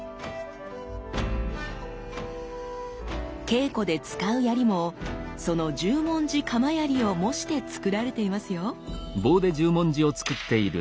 稽古で使う槍もその十文字鎌槍を模してつくられていますよ。